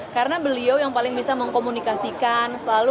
karena beliau yang paling bisa mengkomunikasikan